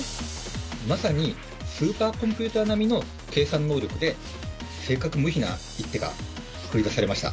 まさにスーパーコンピューター並みの計算能力で、正確無比な一手が繰り出されました。